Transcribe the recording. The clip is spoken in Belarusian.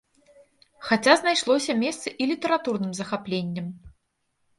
Хаця знайшлося месца і літаратурным захапленням.